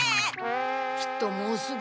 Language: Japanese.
きっともうすぐ。